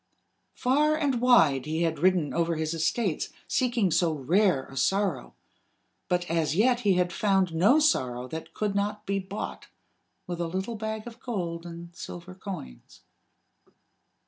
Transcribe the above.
Far and wide he had ridden over his estates, seeking so rare a sorrow; but as yet he had found no sorrow that could not be bought with a little bag of gold and silver coins.